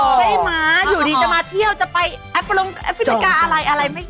ใช่มะอยู่ดีจะมาเที่ยวจะไปแอฟโฟลงแอฟฟินิกาอะไรอย่าพึ่ง